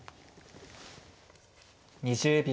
２０秒。